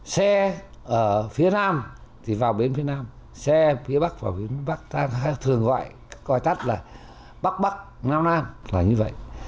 xe ở phía nam thì vào bến phía nam xe phía bắc vào bến bắc ta thường gọi coi tắt là bắc bắc nam nam là như vậy